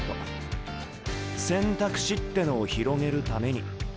選択肢ってのを広げるために。